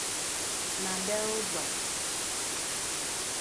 na Beljọm